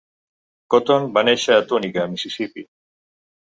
Cotton va néixer a Tunica, Mississipí.